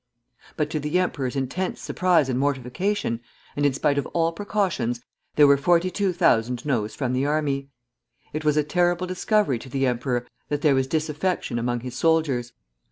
But to the emperor's intense surprise and mortification, and in spite of all precautions, there were 42,000 Noes from the army. It was a terrible discovery to the emperor that there was disaffection among his soldiers.